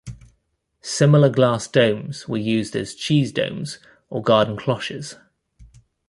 Similar glass domes were used as cheese domes or garden cloches.